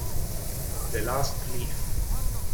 The Last Leaf